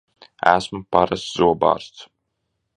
Esmu parasts zobārsts!